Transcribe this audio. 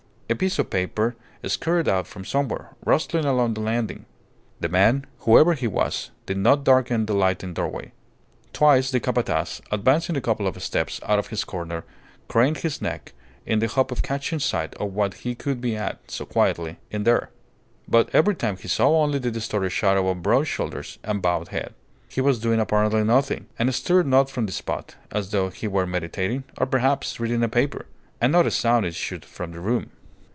A piece of paper scurried out from somewhere, rustling along the landing. The man, whoever he was, did not darken the lighted doorway. Twice the Capataz, advancing a couple of steps out of his corner, craned his neck in the hope of catching sight of what he could be at, so quietly, in there. But every time he saw only the distorted shadow of broad shoulders and bowed head. He was doing apparently nothing, and stirred not from the spot, as though he were meditating or, perhaps, reading a paper. And not a sound issued from the room.